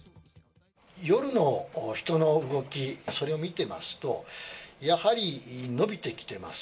夜の人の動き、それを見てますと、やはり伸びてきてます。